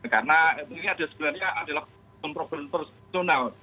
karena ini sebenarnya adalah problem personal